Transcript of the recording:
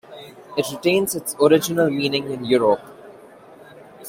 It retains its original meaning in Europe.